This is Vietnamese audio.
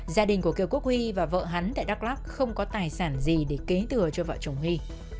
gia đình của kiểu quốc huy và vợ hắn tại đắk lắk không có tài sản gì để kế tựa cho vợ chồng huy